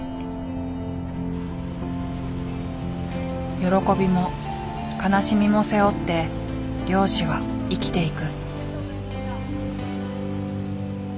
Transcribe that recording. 喜びも悲しみも背負って漁師は生きていく。